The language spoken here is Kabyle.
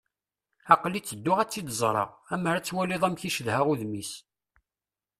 Aql-i tedduɣ ad tt-id-ẓreɣ. Ammer ad twaliḍ amek i cedhaɣ udem-is.